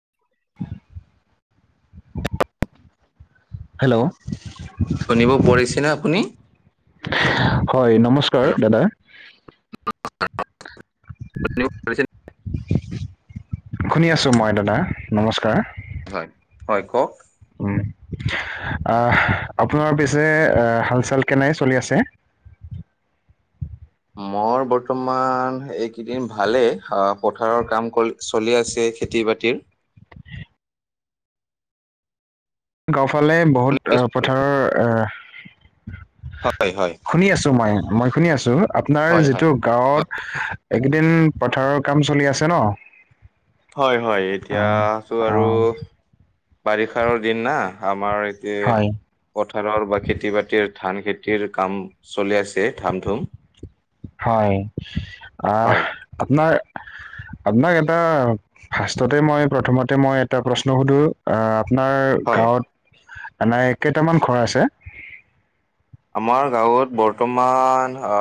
[unintelligible] Hello! শুনিব পৰিছেনে আপুনি? হয়, নমস্কাৰ দাদা। কঁকয় কঁ' [unintelligible] গুদ নিয়োগ হৈছেনে? শুনি আছোঁ মই দাদা, নমস্কাৰ। হয়, হ'য় কওক। [unintelligible] আপোনাৰ পিছে হাল-চাল কেনাই চলি আছে? মোৰ বৰ্তমান এইকেইদিন ভালেই। অঁ, পথাৰৰ কাম-কাজ চলি আছে। খেতি-বাতিৰ [inaudible] গাওঁ ফালে বহুত পথাৰৰ, হয়, হয়, শুনি আছো মই। মই শুনি আছো, আপোনাৰ হয়, হয়। যিটো গাঁৱত এইকেইদিন পথাৰৰ কাম চলি আছে ন'। হ'য়, হ'য় আহ, এতিয়াটো আৰু আহ, বাৰিষাৰ দিন না। আ মাৰ এতি হয় পথাৰৰ বা খেতি-বাতিৰ ধান খেতিৰ কাম চলি আছে ধাম-ধূম। হ'য়, আহ হয়, আপোনাৰ আপনাক এটা ফাৰ্ষ্টতে মই প্ৰথমতে মই এটা প্ৰশ্ন সুধো। আহ আপোনাৰ হয় গাঁৱত আনাই কেইটামান ঘৰ আছে? আমাৰ গাঁৱত বৰ্তমান আ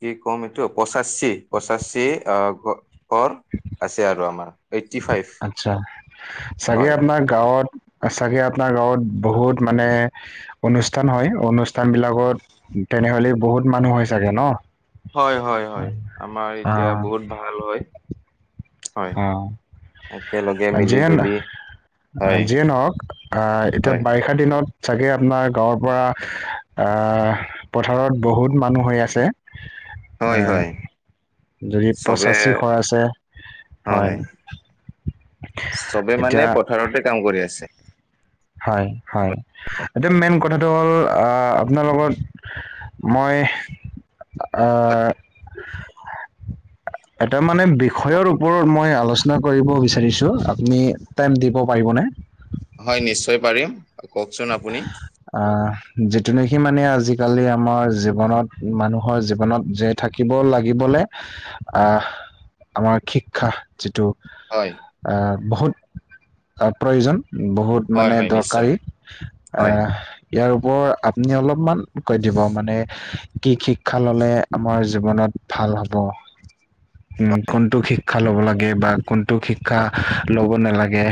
কি কম এইটো, পঁচাচি, পঁচাচি আ ঘৰ আছে আৰু আমাৰ। এইট্টি ফাইভ আত্ছা, চাগে হয়। আপোনাৰ গাঁৱত চাগে আপোনাৰ গাঁৱত বহুত মানে অনুষ্ঠান হ'য়। অনুষ্ঠান বিলাকত তেনেহ'লে বহুত মানুহ হ'য় চাগে ন'? হ'য়-হয়-হয়। আমাৰ অ এতিয়া বহুত ভাল হ'য়। হয় অঁ। একেলগে মিলি যিয়েন, জুলি হয় যিয়ে নহওক আঁ এতিয়া হয় বাৰিষা দিনত চাগে আপোনাৰ গাঁৱৰ পৰা, আ পথাৰত বহুত মানুহ হৈ আছে। আ, হয় হয় যদি চবে পচাঁচি ঘৰ আছে হ'য়। চবে মানে, এতিয়া পথাৰতে কাম কৰি আছে। হ'য়, হ'য় এইটো মেইন কথ থাটো হ'ল আ আপোনাৰ লগত মই আ এটা মানে বিষয়ৰ ওপৰত মই আলোচ আলোচনা কৰিব বিচাৰিছোঁ। আপুনি টাইম দিব পাৰিবনে? হয় নিশ্চয় পাৰিম কওকচোন আপুনি আহ যিটো নেকি সি মানে আজিকালি আমাৰ জীৱনত মানুহৰ জীৱনত জীয়াই থাকিব লাগিব [unintelligible] দে আহ আমাৰ শিক্ষা যিটো হয় আহ বহুত প্ৰয়োজন বহুত হয় মানে হয় নিশ্চয় দৰকাৰী হয়। আহ ইয়াৰ ওপৰৰ আপুনি অলপমান কৈ দিব মানে কি শিক্ষা ল'লে আমাৰ জীৱনত ভাল হ'ব উম কোনটো শিক্ষা লব লাগে বা কোনটো শিক্ষা ল'ব নালাগে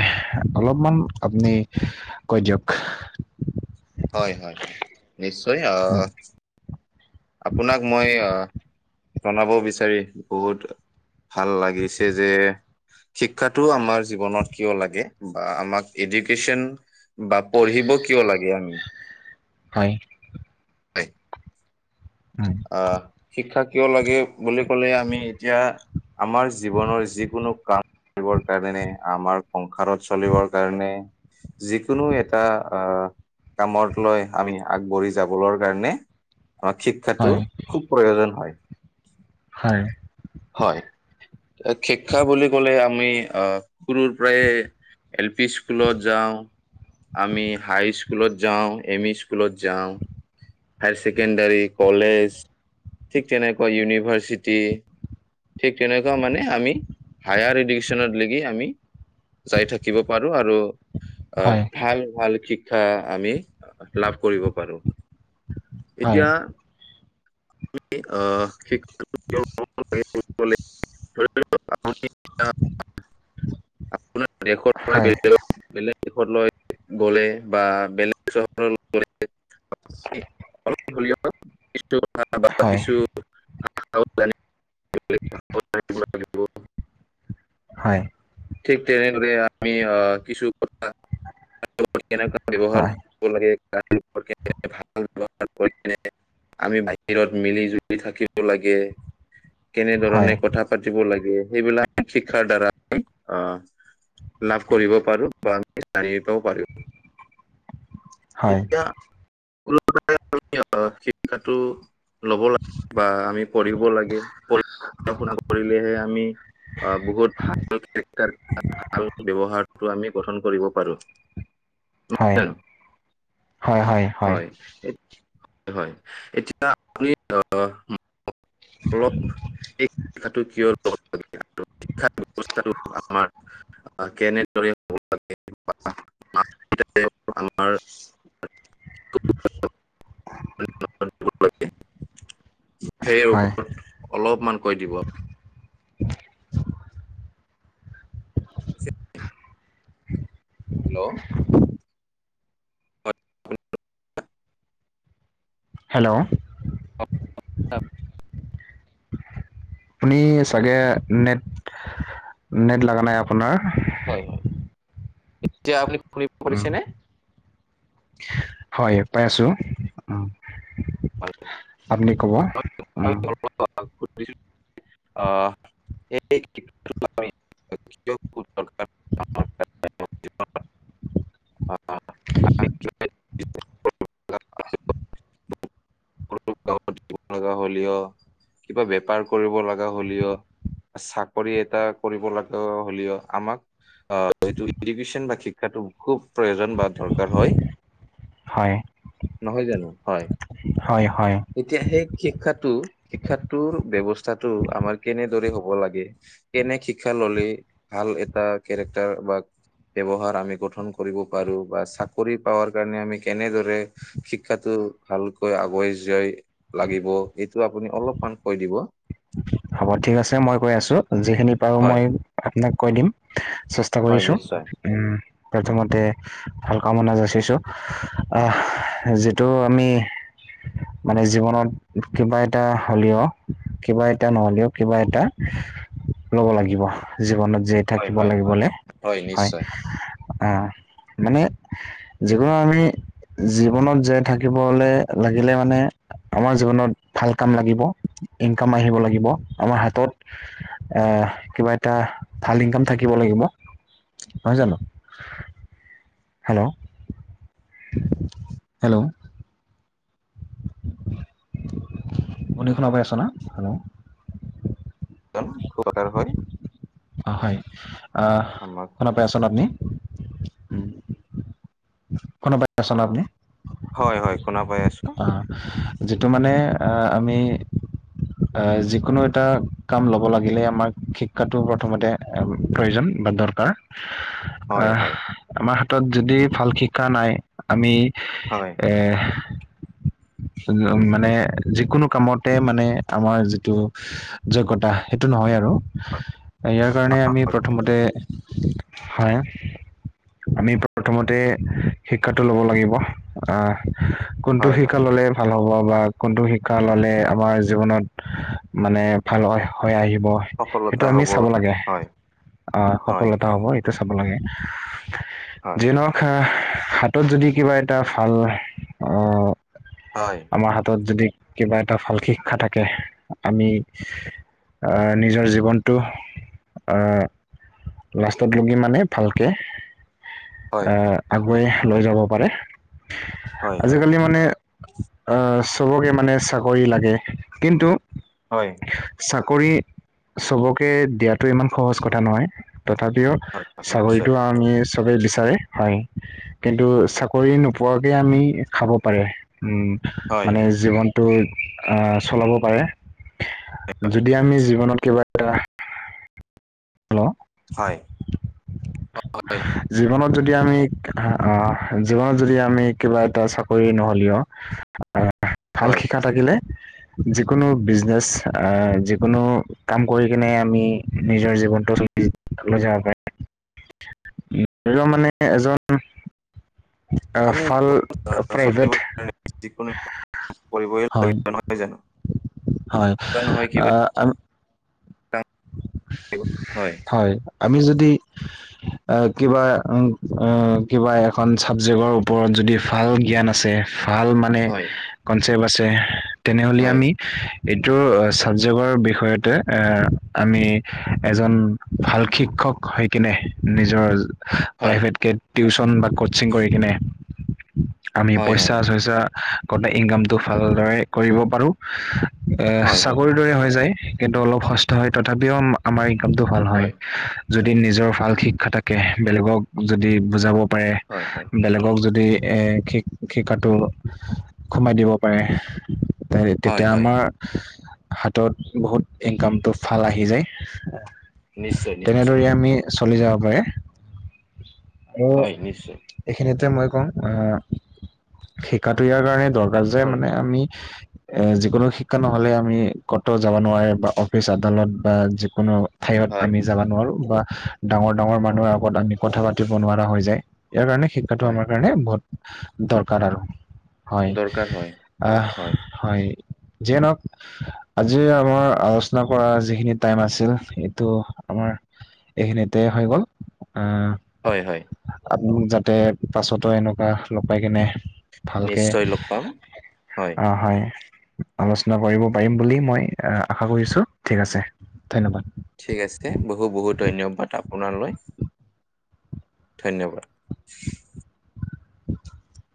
অলপমান আপুনি কৈ দিয়ক। হয়-হয়-হয়, নিশ্চয় আ উম, আপোনাক মই আ জনাব বিচাৰি বহুত ভাল লাগিছে যে। শিক্ষাটো আমাৰ জীৱনত কিয় লাগে বা আমাক এডুকেচন বা পঢ়িব কিয় লাগে আমি? হয় হয় [unintelligible] উম, অ শিক্ষা কিয় লাগে বুলি ক'লে আমি এতিয়া আমাৰ জীৱনৰ যিকোনো কাম কৰিবৰ কাৰণে আমাৰ সংসাৰত চলিবৰ কাৰণে যিকোনো এটা আহ কামত লৈ আমি আগবাঢ়ি যাবলৈ কাৰণে আমাক [unintelligible] শিক্ষাটো হয়, খুব প্ৰয়োজন হয়। [unintelligible] হয়, হয় শিক্ষা বুলি ক'লে আমি আহ সৰুৰ পৰাই এ এল পি স্কুলত যাওঁ। আমি হাইস্কুলত যাওঁ, এম ই স্কুলত যাওঁ। হায়াৰ ছেকেণ্ডাৰী কলেজ ঠিক তেনেকুৱা ইউনিভাৰ্চিটি ঠিক তেনেকুৱা মানে আমি হায়াৰ এডুকেশ্যনত লৈকে আমি [unintelligible] যাই থাকিব পাৰো আৰু [unintelligible] আহ হয়, ভাল-ভাল শিক্ষা আমি লাভ কৰিব পাৰোঁ। [unintelligible] হয়, এতিয়া আ আহ শিক্ষা [unintelligible] ধ আ [unintelligible] [inaudible] এ পৰাে হয়, বেলেগক বেলেগ [unintelligible] দেশলৈ গ'লে বা বেলেগ চহৰলৈ গলে [unintelligible] [unintelligible] কিছু কথা বা হয়, হয়, কিছু আও জান [unintelligible] [inaudible] লাগিব [unintelligible] হয় ঠিক তেনেদৰে আমি কিছু কথা [unintelligible] [unintelligible] কেনেকুৱা ব্যৱহাৰ হয়, লাগে [unintelligible] আমি বাহিৰত মিলি জুলি থাকিব লাগে, হয়, কেনেধৰণে কথা পাতিব লাগে [unintelligible] [unintelligible] গে সেইবিলাক শিক্ষাৰ দ্বাৰাই অ [unintelligible] লাভ কৰিব পাৰো বা আমি জানিব পাৰো [unintelligible] হয়, এতিয়া আমি আহ শিক্ষাটো [unintelligible] ল'ব লাগে বা আমি পঢ়িব লাগে [unintelligible] পঢ়া-শুনা কৰিলেহে আমি অ বহুত ভাল কে্টাৰ ভাল ব্যৱহাৰ [unintelligible] টো আমি গঠন কৰিব পাৰোঁ হয়। হয়-হয়-হয় হয় [unintelligible] হয় এতিয়া আপুনি অ [unintelligible] অলপ এই শ্ষাটো কিয় শিক্ষা ব্যৱস্থাটো আমাৰ কেনেৰে আৰু [unintelligible] [unintelligible] সেই হয়, ওপৰত অলপমান কৈ দিব। [unintelligible] হেল্ল' [inaudible] হেল্ল' তাত আপুনি চাগে নেট নেট লগা নাই আপোনাৰ হয় এতিয়া আপুনি উম, শুনিছেনে হয় পাই আছো উ আপুনি কব অ [unintelligible] অ [unintelligible] আ মৰ জীৱন গা হলি অ কিবা বেপাৰ কৰিব লগা হ'লেও চাকৰি এটা কৰিব লাগে হ'লেও আমাক অ এইটো ইডুকেশ্যন বা শিক্ষাটো খুব প্ৰয়োজন বা দৰকাৰ হয়। হয়, নহয় জানো হয় হয়, হয়, এতিয়া সেই শিক্ষাটো শিক্ষাটোৰ ব্যৱস্থাটো আমাৰ কেনে- হব লাগে এনে শিক্ষা ললে ভাল এটা কেৰেক্টাৰ বা ব্যৱহাৰ আমি গঠন কৰিব পাৰো বা চাকৰি পাৰ কাৰণে আমি কেনেদৰে শিক্ষাতো- ভক আগুৱাই যা লাগিব সটো আপুনি অলপ কৈ দিব। হ'ব ঠিক আছে মই কৈ আছো যিখিনি পাৰো হয়। মই আপোনাক কৈ দিম- চেষ্টা হয় কৰিছোঁ। নিশ্চয়। প্ৰথমতে ভাল কামনা যচিছো আহ যিটো আমি মানে জীৱনত কিবা এটা হ'লেও কিবা এটা নহলেও কিবা এটা ল'ব লাগিব। জীৱনত জ হয়, থাকিব হয়, হয়, লাগিবলৈ হয়। নিশ্চয়। আহ মানে যিকোনো আমি- জীৱনত জীয়াই থাকিবলে লাগিলে মানে আমাৰ জীৱনত ভাল কাম লাগিব। ইনকাম আহিব লাগিব আমাৰ হাতত এ কিবা এটা ভাল ইনকাম থাকিব লাগিব। লাগিব নহয় জানো হেল্ল' হেল্ল' অ খনৰ বাই আচনা হল' খুব আকাৰ হয় অ হয় আহ আমাক শুনা পাই আচা ন আপুনি। শুনা পাই অ আছেনে আপুনি হয় হয় শুনা পাই আছো। অ যিটো মানে আমি আহ যিকোনো এটা কাম লব লাগিলে আমাক শিক্ষাটো প্ৰথমতে প্ৰয়োজন- বা দৰকাৰ হয়, হয়, আমাৰ হাতত যদি ভাল শিক্ষা নাই আমি হয়, এ উ মানে যিকোনো কামতে মানে আমাৰ যিটো যোগ্যতা সেইটো নহয় আৰু- ইয়াৰ কাৰণে আমি হয়, প্ৰথমতে হয়। আমি প্ৰথমতে শিক্ষাটো লব লাগিব আহ কোনটো হয় হয় শিকা ললে ভাল হ'ব বা কোনটো শিক্ষা ললে আমাৰ জীৱনত মানে ভাল হৈ আহিব। সেইটো সফলতা আমি হ'ব। চাব লাগে হয়, অ হয়, সফলতা হ'ব সেইটো চাব লাগে। হয়, জনক হাতত যদি কিবা এটা ভাল অহ। হয়, আমাৰ হাতত যদি কিবা এটা ভাল শিক্ষা থাকে আমি। নিজৰ জীৱনটো অ লাষ্টত লগি মানে ভালকে। হয়, আহ আগুৱাই লৈ যাব পাৰে হয়, হয়, হয়। আজিকালি মানে। অহ চবকে মানে চাকৰি লাগে। কিন্তু হয়। কৰি চবকে দিয়াটো ইমান সহজ কথা নহয়। তথাপিও হয় নিশ্চয় চাকৰিতটো আমি চবেই লচ। হয় কিন্তু চাকৰি নোপোৱাকে আমি খাব পাৰে। উম হয়, মানে জীৱনটো আহ চলাব পাৰে। যদি আমি জীৱনত কিবা এটা। হেল্ল'। হয়, হয়, জীৱনত যদি আমি জীৱনত যদি আমি কিবা এটা চাকৰি নহ'লেও। অহ ভাল হয়। শিকা থাকিলে। যিকোনো বিজনেচ আহ যিকোনো কাম কৰি কিনে আমি নিজৰ জীৱনটো। মানে এজন। [unintelligible] ফাল প্ৰাইভেট। যোন কৰিবাগ হয় নহয় জানো হয় কিবা নহয় কিবা। [unintelligible] [inaudible] হয়। [unintelligible] আমি যদি কিবা কিবা এখন চাবজেক্টৰ ওপৰত। যদি ভাল জ্ঞান আছে। ভাল মানে হয়, কনচেপ্ট আছে তেনেহ'লে হয়, আমি এইটো ছাবজেকৰ বিষয়তে আ আমি এজন ভাল শিক্ষক হৈ কিনে নিজৰ হয়, প্ৰাইভেটকে টিউচন বা কতচিং কৰি কিনে আমি হয়, হয়, পইচা-চইচা গটে ইনকামটো ভালদৰে কৰিব পাৰো। আ হয়, হয়, হয়, চাকৰিৰ দৰে হৈ যায়। কিন্তু অলপ সস্তা হয়। তথাপিও আম আমাৰ টো ভাল হয়। যদি নিজৰ ভাল শিক্ষা থাকে। বেলেগক যদি বুজাব পাৰে, হয়, হয়। বেলেগক যদি শিক শিক্ষাটো সোমাই দিব পাৰে। হয় তেতিয়া হয় আমাৰ হাতত বহুত ইনকামটো ভাল আহি যায়। নিশ্চয়, নিশ্চয়। তেনেদৰে আমি চলি যাব পাৰে। আৰু হয়, নিশ্চয়। এইখিনিতে মই কওঁ আহ শিকাটো ইয়াৰ কাৰণে দৰকাৰ যে হয় মানে আমি এ যিকোনো শিক্ষা নহলে আমি কতও যাব নোৱাৰে বা অফিচ আদালত বা যিকোনো ঠাইত হয় আমি যাব নোৱাৰো বা ডাঙৰ-ডাঙৰ হয় মানুহৰ আগত আমি কথা পাতিব নোৱাৰা হৈ যায়। ইয়াৰ কাৰণে শিক্ষাটো হয় আমাৰ কাৰণে বহুত দৰকাৰ আৰু। হয়, আহ হয়। যিয়ে নক আজি আমাৰ আলোচনা কৰা যিখিনি টাইম আছিল এইটো আমাৰ এইখিনিতে হৈ গ'ল। আ হয়, হয়। আপোক যাতে পাছতো এনেকুৱা লগাই কিনে ভালকে, নিশ্চয় লগ পাম অ হয়। আলোচনা কৰিব পাৰিম বুলি মই আশা কৰিছো। ঠিক আছে, ধন্যবাদ। ঠিক আছে। বহু বহুত ধন্যবাদ আপোনালৈ। ধন্যবাদ। [inaudible]